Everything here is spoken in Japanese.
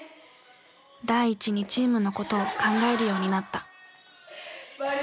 第一にチームのことを考えるようになった。